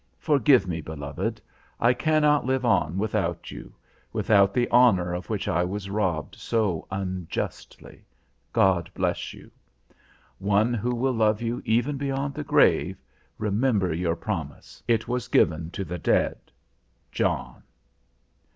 Forgive me, beloved. I cannot live on without you without the honour of which I was robbed so unjustly. God bless you. One who will love you even beyond the grave, Remember your promise. It was given to the dead. JOHN.